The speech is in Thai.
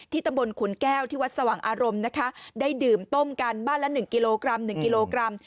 ตำบลขุนแก้วที่วัดสว่างอารมณ์นะคะได้ดื่มต้มกันบ้านละ๑กิโลกรัม๑กิโลกรัม